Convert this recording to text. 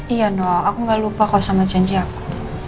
iya noh aku gak lupa kalau sama janji aku